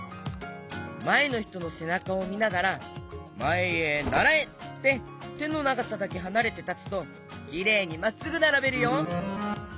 まえのひとのせなかをみながら「まえへならえ」っててのながさだけはなれてたつときれいにまっすぐならべるよ。